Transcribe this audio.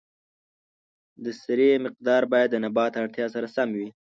د سرې مقدار باید د نبات اړتیا سره سم وي.